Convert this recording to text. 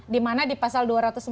dimana di pasal dua ratus empat puluh